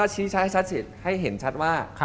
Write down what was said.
ชิ้นใช้ให้เห็นชัดว่า